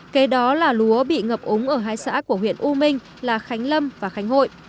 kế đó là lúa bị ngập úng ở hai xã của huyện u minh là khánh lâm và khánh hội